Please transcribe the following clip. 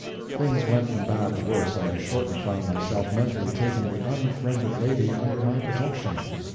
Things went from bad to worse, and I shortly found myself mentally taking the unfriended lady under my protection.